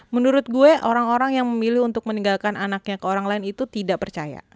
menurut gue orang orang yang memilih untuk meninggalkan anaknya ke orang lain itu tidak percaya